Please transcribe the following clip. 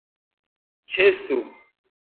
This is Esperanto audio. Ĉesu!